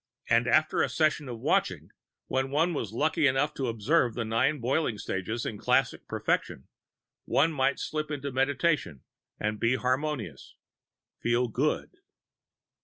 And after a session of Watching, when one was lucky enough to observe the Nine Boiling Stages in classic perfection, one might slip into meditation and be harmonious, feel Good.